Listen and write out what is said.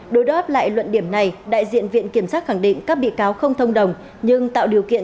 đối đáp lại luận điểm này đại diện viện kiểm sát khẳng định các bị cáo không thông đồng nhưng tạo điều kiện